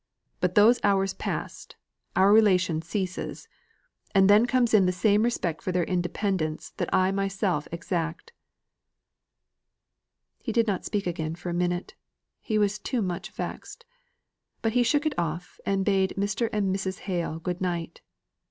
But those hours past, our relation ceases; and then comes in the same respect for their independence that I myself exact." He did not speak again for a minute, he was too much vexed. But he shook it off, and bade Mr. and Mrs. Hale good night.